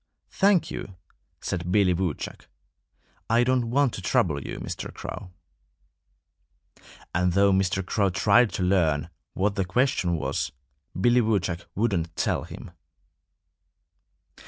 "Thank you!" said Billy Woodchuck. "I don't want to trouble you, Mr. Crow." And though Mr. Crow tried to learn what the question was, Billy Woodchuck wouldn't tell him.